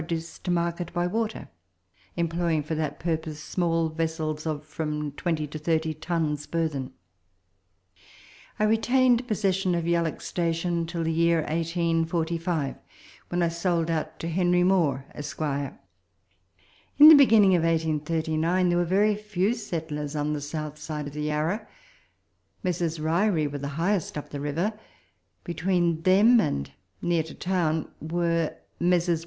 duce to market by water, employing for that purpose small vessels of from 20 to 30 tons burthen. I retained possession of Yalloak Station till the year 1845, when 1 sold out to Henry Moor, Esq. In the beginning of 1839 there were very few settlers on the south side of the Yarra. Messrs. Ryrie were the highest up the river ; betAveen them, and near to town, were Messrs.